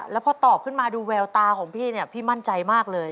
แล้วพอตอบขึ้นมาดูแววตาของพี่เนี่ยพี่มั่นใจมากเลย